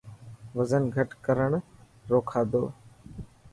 وزن گهٽ ڪرڻ رو کادو.